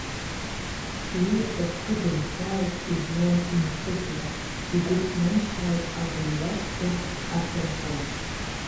Иеҵәахәкыдымшәааит жәҩан инхыӡла, игәы ҭнамшьааит агәырҩа цәгьа, асырҳәы.